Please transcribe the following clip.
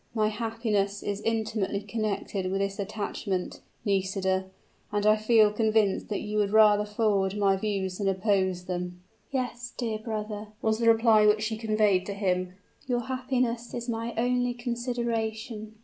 "My happiness is intimately connected with this attachment, Nisida, and I feel convinced that you would rather forward my views than oppose them." "Yes, dear brother," was the reply which she conveyed to him: "your happiness is my only consideration."